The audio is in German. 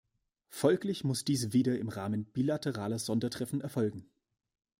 Folglich muss dies wieder im Rahmen bilateraler Sondertreffen erfolgen.